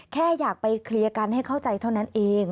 แค่อยากไปเคลียร์กันให้เข้าใจเท่านั้นเอง